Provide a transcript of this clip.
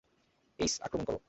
এইস, আক্রমণ করো।